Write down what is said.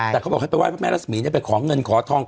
แต่พระม่ารสมีไปขอเงินขอทอง